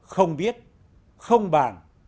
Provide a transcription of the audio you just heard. không biết không bàn